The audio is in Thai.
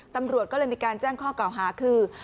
ตำรวจก็เลยมีการแจ้งข้อเก่าหาคือ